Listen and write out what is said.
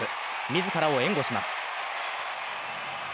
自らを援護します。